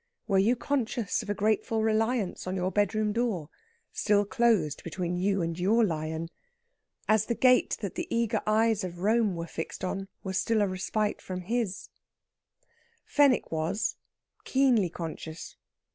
Were you conscious of a grateful reliance on your bedroom door, still closed between you and your lion, as the gate that the eager eyes of Rome were fixed on was still a respite from his? Fenwick was; keenly conscious.